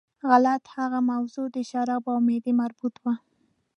غلط، هغه موضوع د شرابو او معدې مربوط وه.